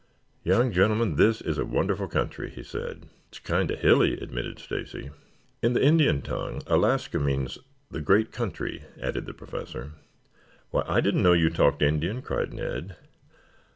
"Young gentlemen, this is a wonderful country," he said. "It's kind of hilly," admitted Stacy. "In the Indian tongue, Alaska means 'the great country,'" added the Professor. "Why, I didn't know you talked Indian," cried Ned.